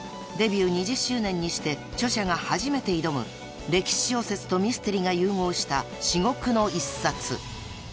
［デビュー２０周年にして著者が初めて挑む歴史小説とミステリーが融合した至極の一冊］